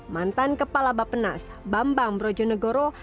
mantan kepala bapenas bambang brojonegoro